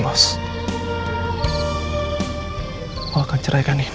lo akan jatuh kembali ke tempat yang lainnya